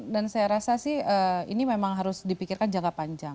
dan saya rasa sih ini memang harus dipikirkan jangka panjang